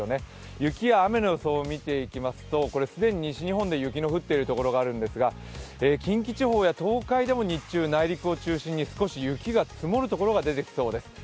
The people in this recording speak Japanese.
雪や雨の予想を見ていきますと、既に西日本で雪の降っているところがあるんですが、近畿地方や東海でも日中、内陸を中心に少し雪が積もる所が出てきそうです。